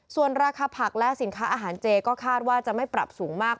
ส่วนราคาผักและสินค้าอาหารเจก็คาดว่าจะไม่ปรับสูงมาก